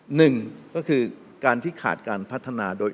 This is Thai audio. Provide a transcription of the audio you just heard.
หนึ่งก็คือการที่ขาดการพัฒนาโดย